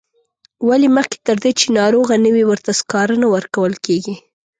ولې مخکې تر دې چې ناروغه نه وي ورته سکاره نه ورکول کیږي.